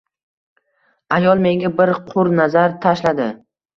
Ayol menga bir qur nazar tashladi